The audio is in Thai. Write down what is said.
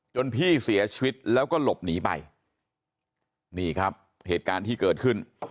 พี่เสียชีวิตแล้วก็หลบหนีไปนี่ครับเหตุการณ์ที่เกิดขึ้น